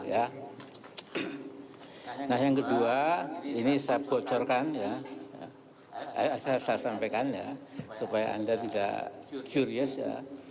nah yang kedua ini saya bocorkan ya saya sampaikan ya supaya anda tidak curious ya